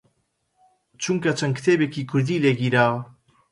چونکە چەند کتێبێکی کوردی لێ گیراوە